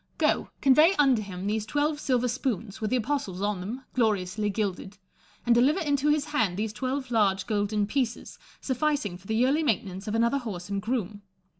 Go, convey unto him those twelve silver spoons, with the apostles on them, gloriously gilded ; and deliver into his hand these twelve large golden pieces, sufficing for the yearly maintenance of another horse and groom.